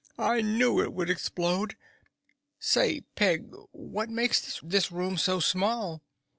"I knew it would explode. Say, Peg, what makes this room so small?"